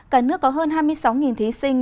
cả nước có hơn hai mươi sáu thí sinh